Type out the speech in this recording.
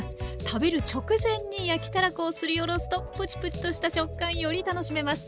食べる直前に焼きたらこをすりおろすとプチプチとした食感より楽しめます。